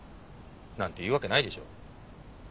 なんて言うわけないでしょ。